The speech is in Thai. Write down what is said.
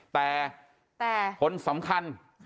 แต่คนสำคัญ